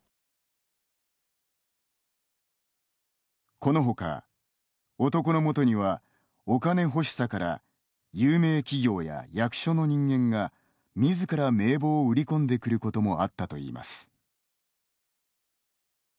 この他、男のもとにはお金欲しさから有名企業や役所の人間がみずから名簿を売り込んでくることもあったといいます。